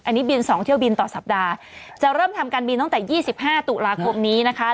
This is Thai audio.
อันนี้บิน๒เที่ยวบินต่อสัปดาห์จะเริ่มทำการบินตั้งแต่๒๕ตุลาคมนี้นะคะ